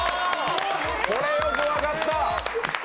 これはよく分かった！